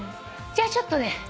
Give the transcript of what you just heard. じゃちょっとね